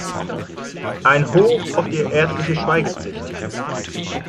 Ein Hoch auf die ärztliche Schweigepflicht!